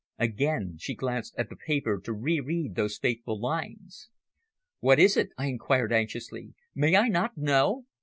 Again she glanced at the paper to re read those fateful lines. "What is it?" I inquired anxiously. "May I not know?"